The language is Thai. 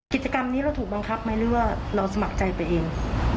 กิจกรรมนี้เราถูกบังคับไหมหรือว่าเราสมัครใจไปเอง